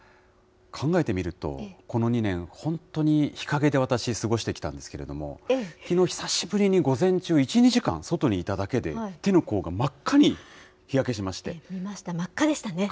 考えてみると、この２年、本当に日陰で私、過ごしてきたんですけれども、きのう、久しぶりに午前中、１、２時間外にいただけで、真っ赤でしたね。